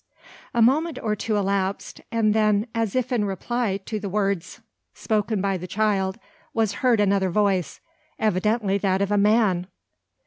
A moment or two elapsed; and then, as if in reply to the words spoken by the child, was heard another voice, evidently that of a man!